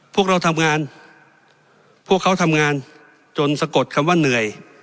พวกเราทำงานพวกเขาทำงานจนสะกดคำว่าเหนื่อย